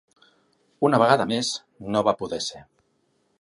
Una vegada més, no va poder ser.